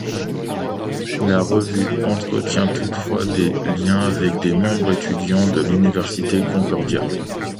La revue entretient toutefois des liens avec des membres étudiants de l'Université Concordia.